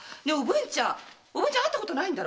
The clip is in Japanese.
おぶんちゃん会ったことないんだろ？